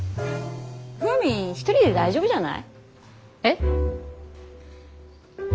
フーミン一人で大丈夫じゃない？えっ。